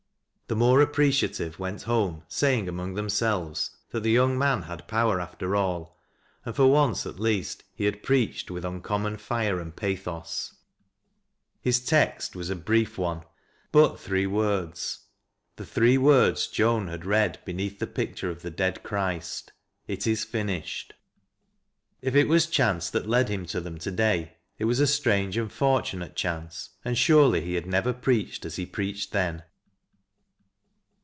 The more appreciative wont home saying among themselves that the young man had ])ower after all, and for once at least he had preached with uncommon fire and paihos. His text was a brief A CONFESSION OF FAITH. 131 one,— bnt three words, — the three words Joan had read beneath the picture of the dead Christ :" It is finished I '' If it was chance that led him to them to day, it was a itrange and fortunate chance, and surely he had never preached as he preached then.